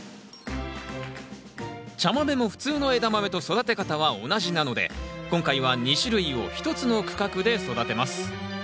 茶豆も普通のエダマメと育て方は同じなので今回は２種類を１つの区画で育てます。